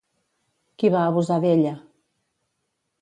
Qui va abusar d'ella?